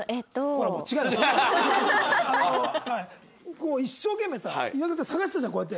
こう一生懸命さイワクラちゃん探したじゃんこうやって。